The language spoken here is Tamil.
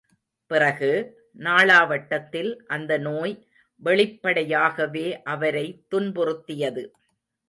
பிறகு, நாளாவட்டத்தில் அந்த நோய் வெளிப்படையாகவே அவரை துன்புறுத்தியது.